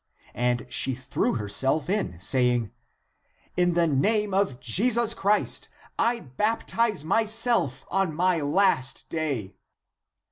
And she threw herself in, saying, " In the name of Jesus Christ I baptize myself on my last day."